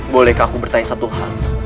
bolehkah aku bertanya satu hal